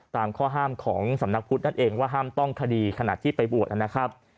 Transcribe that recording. ตามข้อห้ามของสำนักพุทธนั่นเองว่าห้ามต้องคดีขณะที่ไปบวชนะครับ